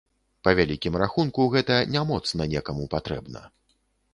Па вялікім рахунку, гэта не моцна некаму патрэбна.